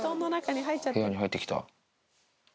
部屋に入ってきた。